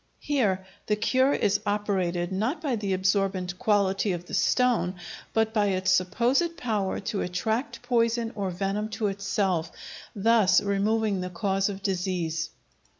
Here the cure is operated, not by the absorbent quality of the stone, but by its supposed power to attract poison or venom to itself, thus removing the cause of disease.